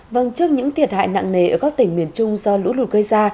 vâng trước những thiệt hại nặng nề ở các tỉnh miền trung do lũ lụt gây ra